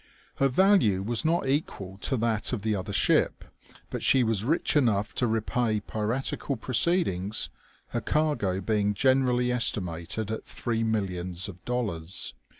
Her value was not equal to that of the other ship, but she was rich enough to repay piratical proceedings, her cargo being generally estimated at three millions of dollars.